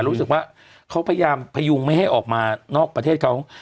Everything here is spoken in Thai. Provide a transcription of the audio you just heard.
รู้สึกว่าเขาพยายามพยุงไม่ให้ออกมานอกประเทศเขา